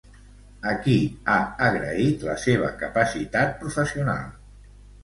A qui ha agraït la seva capacitat professional?